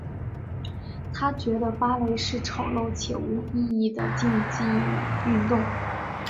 她觉得芭蕾是丑陋且无意义的竞技运动。